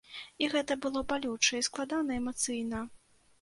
І гэта было балюча і складана эмацыйна.